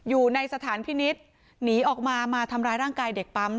อยู่ในสถานพินิษฐ์หนีออกมามาทำร้ายร่างกายเด็กปั๊ม